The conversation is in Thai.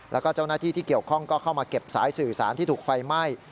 แล้วก็เจ้าหน้าที่ที่เกี่ยวข้องก็เข้ามาเก็บสายสื่อสารที่ถูกไฟไหม้